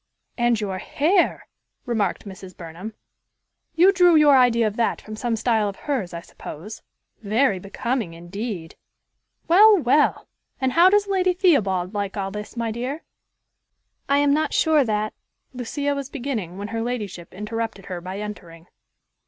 "And your hair!" remarked Mrs. Burnham. "You drew your idea of that from some style of hers, I suppose. Very becoming, indeed. Well, well! And how does Lady Theobald like all this, my dear?" "I am not sure that" Lucia was beginning, when her ladyship interrupted her by entering.